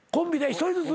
１人ずつ？